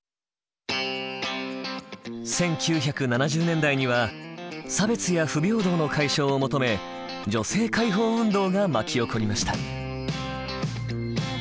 １９７０年代には差別や不平等の解消を求め女性解放運動が巻き起こりました。